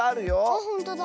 あっほんとだ。